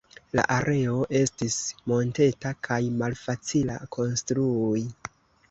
La areo estis monteta kaj malfacila konstrui.